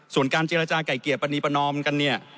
ส่วนการเจรจาไก่เกลี่ยปณีประนอมกันเนี่ย